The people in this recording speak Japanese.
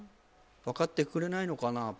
わかってくれないのかな